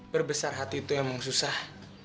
berbesar hati itu emang susah